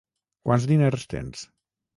Quants diners tens?